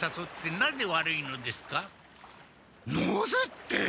なぜって。